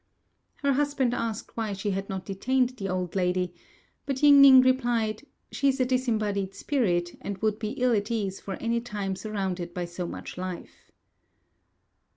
Her husband asked why she had not detained the old lady; but Ying ning replied, "She is a disembodied spirit, and would be ill at ease for any time surrounded by so much life."